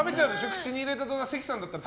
口に入れた途端、関さんだったら。